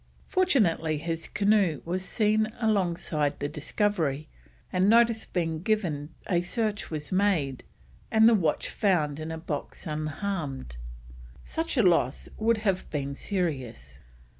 Fortunately his canoe was seen alongside the Discovery, and notice being given a search was made, and the watch found in a box unharmed. Such a loss would have been serious.